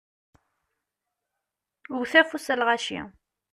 Wtet afus, a lɣaci!